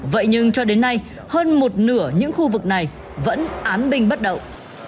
vậy nhưng cho đến nay hơn một nửa những khu vực này vẫn án binh bất động